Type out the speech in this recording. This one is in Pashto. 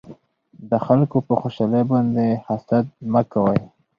د خلکو په خوشحالۍ باندې حسد مکوئ